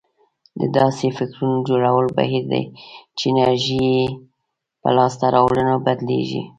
دا داسې فکرونه جوړولو بهير دی چې انرژي يې په لاسته راوړنو بدلېږي.